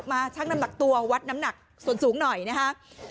ช่างน้ำหนักตัววัดน้ำหนักส่วนสูงหน่อยนะคะ